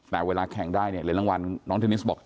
แต่เวลาแข่งได้เนี่ยเหรียญรางวัลน้องเทนนิสบอก